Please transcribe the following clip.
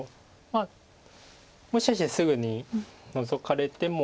まあもしかしてすぐにノゾかれても。